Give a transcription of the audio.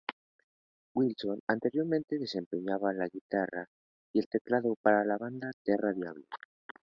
Wilson anteriormente desempeñaba la guitarra y el teclado para la banda Terra Diablo.